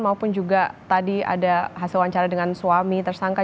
maupun juga tadi ada hasil wawancara dengan suami tersangka